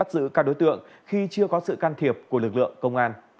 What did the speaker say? bắt giữ các đối tượng khi chưa có sự can thiệp của lực lượng công an